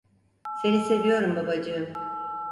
Seni seviyorum babacığım.